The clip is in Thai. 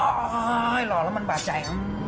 โอ๊ยหล่อแล้วมันบาดใจ